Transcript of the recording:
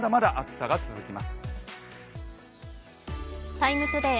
「ＴＩＭＥ，ＴＯＤＡＹ」